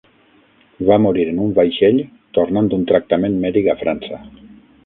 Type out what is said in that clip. Va morir en un vaixell tornant d'un tractament mèdic a França.